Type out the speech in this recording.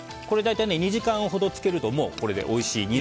これ大体２時間ほど漬けるともうこれでおいしい